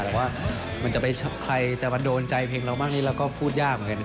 แต่ว่ามันจะไปใครจะมาโดนใจเพลงเรามากนี่เราก็พูดยากเหมือนกัน